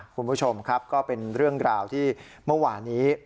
คุณผู้ชมครับก็เป็นเรื่องราวที่เมื่อวานี้